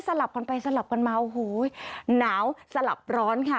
ลับกันไปสลับกันมาโอ้โหหนาวสลับร้อนค่ะ